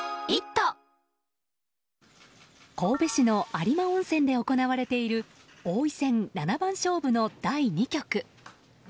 神戸市の有馬温泉で行われている王位戦七番勝負の第２局。